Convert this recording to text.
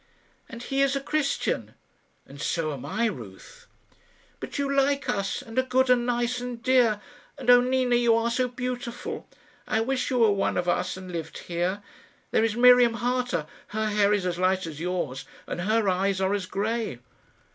"And he is a Christian." "And so am I, Ruth." "But you like us, and are good, and nice, and dear and oh, Nina, you are so beautiful! I wish you were one of us, and lived here. There is Miriam Harter her hair is as light as yours, and her eyes are as grey."